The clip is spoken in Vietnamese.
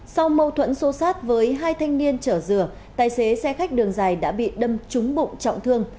sau mâu thuẫn xô sát với hai thanh niên chở dừa tài xế xe khách đường dài đã bị đâm trúng bụng trọng thương